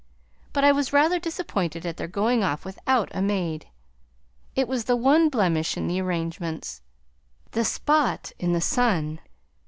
But I was rather disappointed at their going off without a maid. It was the one blemish in the arrangements the spot in the sun.